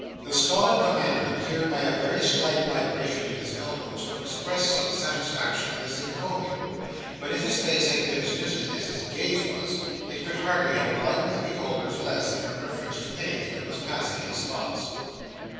The stolid commander appeared by a very slight vibration in his elbows, to express some satisfaction in this encomium; but if his face had been as distant as his gaze was, it could hardly have enlightened the beholders less in reference to anything that was passing in his thoughts.